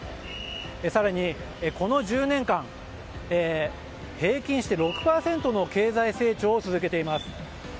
更にこの１０年間平均して６％の経済成長を続けています。